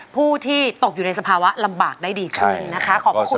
ผู้ที่ตกอยู่ในสภาวะลำบากได้ดีขึ้นนะคะขอบพระคุณ